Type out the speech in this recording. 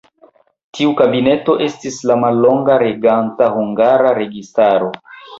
Tiu kabineto estis la mallonga reganta hungara registaro.